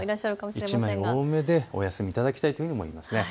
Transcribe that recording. １枚多めでお休みいただきたいと思います。